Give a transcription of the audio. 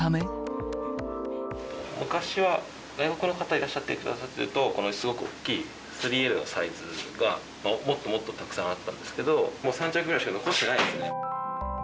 昔は、外国の方いらっしゃってくださっていると、このすごく大きい３Ｌのサイズがもっともっとたくさんあったんですけど、もう３着ぐらいしか残ってないですね。